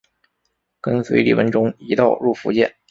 跟随李文忠一道入福建。